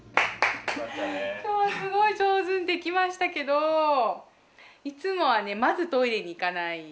今日すごい上手にできましたけどいつもはねまずトイレに行かない。